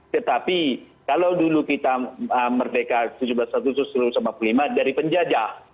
tetapi kalau dulu kita merdeka ke tujuh puluh lima dari penjajah